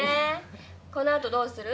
このあとどうする？